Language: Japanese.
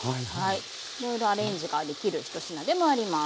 いろいろアレンジができる１品でもあります。